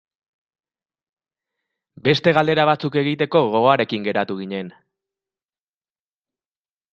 Beste galdera batzuk egiteko gogoarekin geratu ginen.